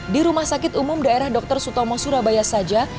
di rumah sakit umum daerah dr sutomo surabaya saja